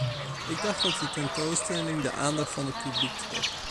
Ik dacht dat de tentoonstelling de aandacht van het publiek trok.